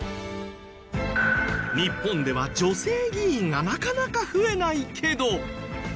日本では女性議員がなかなか増えないけど。